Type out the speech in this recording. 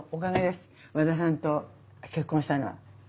和田さんと結婚したのは。